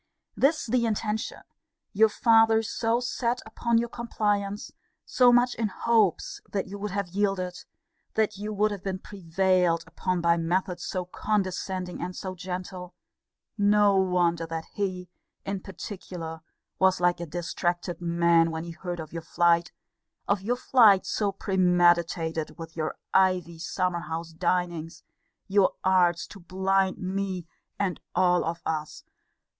This the intention, your father so set upon your compliance, so much in hopes that you would have yielded, that you would have been prevailed upon by methods so condescending and so gentle; no wonder that he, in particular, was like a distracted man, when he heard of your flight of your flight so premeditated; with your ivy summer house dinings, your arts to blind me, and all of us!